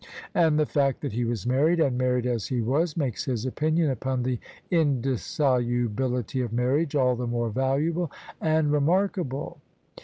" And the fact that he was married — ^and married as he was — ^makes his opinion upon the indissolubility of marriage all the more valuable — ^and remarkable.